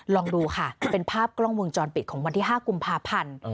ลองดูค่ะเป็นภาพกล้องวงจรปิดของวันที่๕กุมภาพันธ์